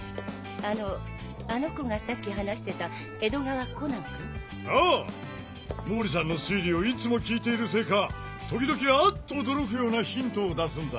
あのあの子がさっき話してた江戸川コナンくん？ああ毛利さんの推理をいつも聞いているせいか時々あっ！と驚くようなヒントを出すんだ。